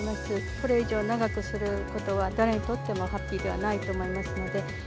これ以上長くすることは誰にとってもハッピーではないと思います